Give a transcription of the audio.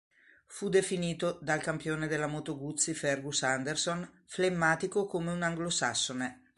Fu definito dal campione della Moto Guzzi Fergus Anderson "flemmatico come un anglosassone".